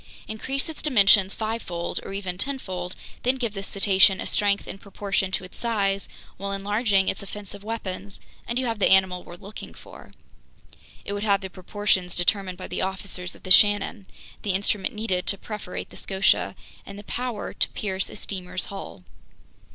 Increase its dimensions fivefold or even tenfold, then give this cetacean a strength in proportion to its size while enlarging its offensive weapons, and you have the animal we're looking for. It would have the proportions determined by the officers of the Shannon, the instrument needed to perforate the Scotia, and the power to pierce a steamer's hull.